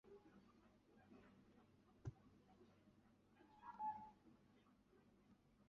僖宗起崔安潜为检校右仆射。